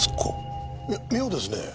いや妙ですね。